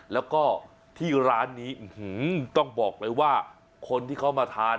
แล้วก็ที่ร้านนี้ต้องบอกเลยว่าคนที่เขามาทาน